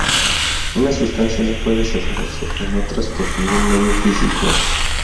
Una sustancia no puede separarse en otras por ningún medio físico.